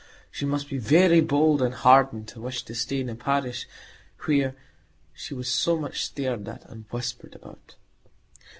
She must be very bold and hardened to wish to stay in a parish where she was so much stared at and whispered about.